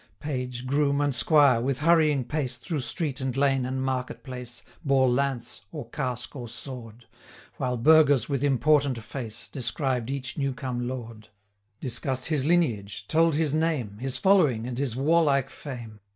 150 Page, groom, and squire, with hurrying pace Through street, and lane, and market place, Bore lance, or casque, or sword; While burghers, with important face, Described each new come lord, 155 Discuss'd his lineage, told his name, His following, and his warlike fame.